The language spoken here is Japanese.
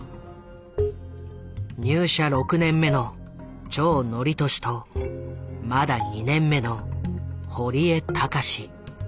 入社６年目の長典俊とまだ２年目の堀江隆。